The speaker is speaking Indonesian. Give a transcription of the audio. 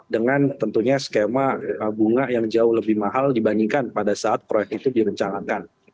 dengan tentunya skema bunga yang jauh lebih mahal dibandingkan pada saat proyek itu direncanakan